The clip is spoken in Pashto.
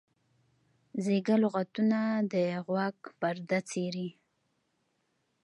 زیږه لغتونه د غوږ پرده څیري.